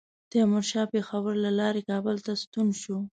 تیمورشاه پېښور له لارې کابل ته ستون شو.